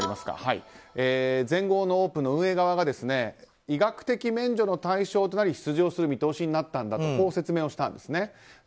全豪オープンの運営側が医学的免除の対象となり出場する見通しになったと説明をしたんです。